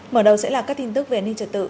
mở đầu sẽ là các tin tức về an ninh trật tự